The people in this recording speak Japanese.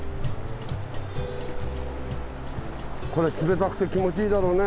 これ冷たくて気持ちいいだろうね。